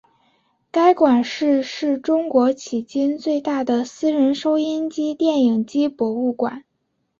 该馆是是中国迄今最大的私人收音机电影机博物馆。